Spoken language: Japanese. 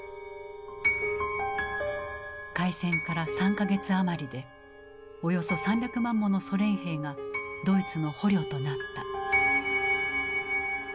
開戦から３か月余りでおよそ３００万ものソ連兵がドイツの捕虜となった。